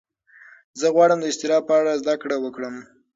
زه غواړم د اضطراب په اړه زده کړه وکړم.